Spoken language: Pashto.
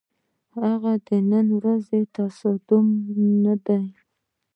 هغه د نن ورځ تصامیم نه دي،